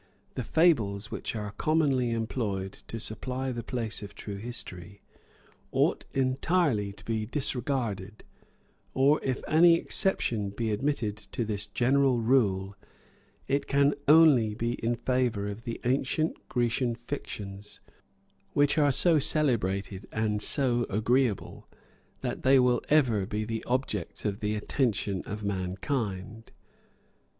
The fables, which are commonly employed to supply the place of true history, ought entirely to be disregarded; or if any exception be admitted to this general rule, it can only be in favor of the ancient Grecian fictions, which are so celebrated and so agreeable, that they will ever be the objects of the attention of mankind.